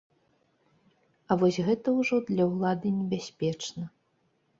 А вось гэта ўжо для ўлады небяспечна.